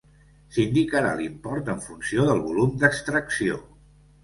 S'indicarà l'import en funció del volum d'extracció.